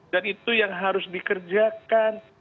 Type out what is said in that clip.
dan itu yang harus dikerjakan